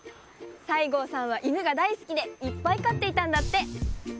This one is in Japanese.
西郷さんはいぬがだいすきでいっぱいかっていたんだって。